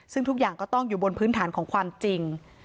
ซึ่งทุกอย่างก็ต้องอยู่บนพื้นฐานของความจริง